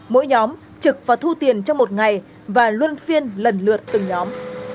mỗi nhóm trực và thu tiền cho một ngày và luôn phiên lần lượt từng nhóm